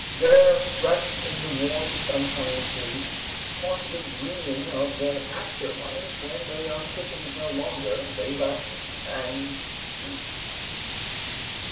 There, stretched in the warm sunshine asleep, possibly dreaming of their after life when they are kittens no longer, they rest and sleep.